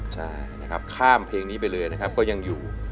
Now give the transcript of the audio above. ใช่นะครับข้ามเพลงนี้ไปเลยนะครับก็ยังอยู่